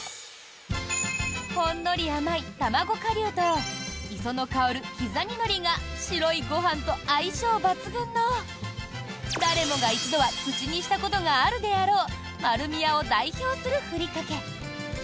ほんのり甘い卵顆粒と磯の香る刻みのりが白いご飯と相性抜群の誰もが一度は口にしたことがあるであろう丸美屋を代表するふりかけ。